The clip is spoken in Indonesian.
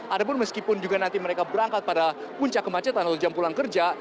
ada pun meskipun juga nanti mereka berangkat pada puncak kemacetan atau jam pulang kerja